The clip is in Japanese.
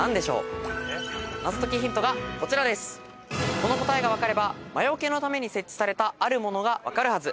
この答えが分かれば魔よけのために設置されたあるものが分かるはず。